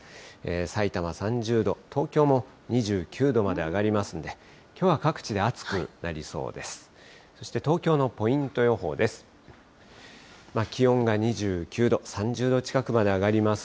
さいたま３０度、東京も２９度まで上がりますので、きょうは各地で暑くなりそうです。